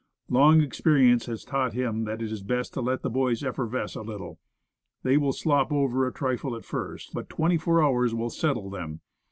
Long experience has taught him that it is best to let the boys effervesce a little. They will slop over a trifle at first, but twenty four hours will settle them.